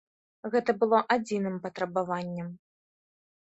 Гэта было адзіным патрабаваннем.